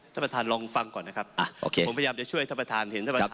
ท่านประธานลองฟังก่อนนะครับผมพยายามจะช่วยท่านประธาน